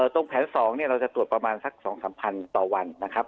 ตรงแผน๒เราจะตรวจประมาณสัก๒๓พันต่อวันนะครับ